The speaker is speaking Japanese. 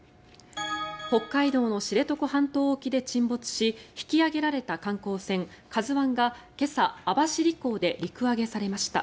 北海道の知床半島沖で沈没し引き揚げられた観光船「ＫＡＺＵ１」が今朝網走港で陸揚げされました。